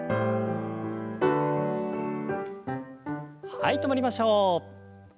はい止まりましょう。